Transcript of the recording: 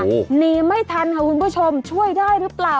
โอ้โหหนีไม่ทันค่ะคุณผู้ชมช่วยได้หรือเปล่า